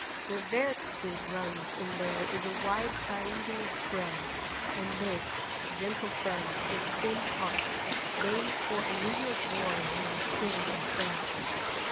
Where Varick Street runs in there is a wide triangular spread, and this, gentle friends, is Finn Park, named for a New York boy who was killed in France.